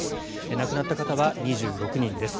亡くなった方は２６人です。